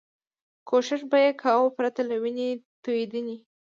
کوښښ به یې کاوه پرته له وینې توېدنې.